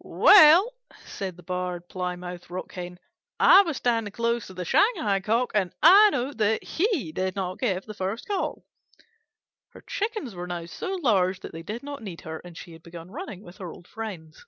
"Well," said the Barred Plymouth Rock Hen, "I was standing close to the Shanghai Cock, and I know that he did not give the first call." (Her Chickens were now so large that they did not need her, and she had begun running with her old friends.)